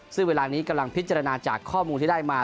ซึ่งเวลานี้กำลังพิจารณาจากข้อมูลที่ได้มา